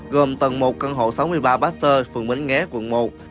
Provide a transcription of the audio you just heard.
gồm tầng một căn hộ sáu mươi ba baster phường bến nghé quận một